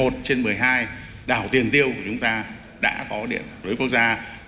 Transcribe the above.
một mươi một trên một mươi hai đảo tiền tiêu của chúng ta đã có điện lưới quốc gia